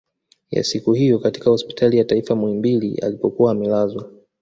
Ya siku hiyo katika hospitali ya taifa Muhimbili alikokuwa amelazwa